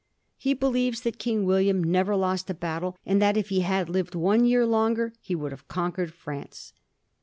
He believes that King William never lost a battle, and that if he had lived one year longer he would have conquered France.